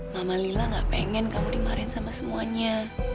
mama lila gak pengen kamu dimarahin sama semuanya